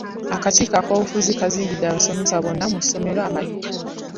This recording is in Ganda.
Akakiiko akafuzi kazimbidde abasomesa bonna mu somero amayumba.